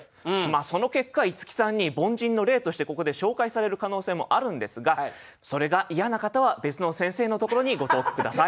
その結果いつきさんに凡人の例としてここで紹介される可能性もあるんですがそれが嫌な方は別の先生のところにご投句下さい。